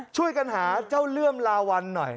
ช่วยกันหาเจ้าเลื่อมลาวันหน่อย